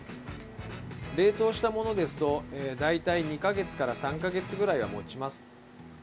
冷凍したものですと大体２か月から３か月ぐらいはもちます。